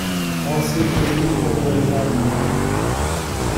Você quer ir para um lugar melhor?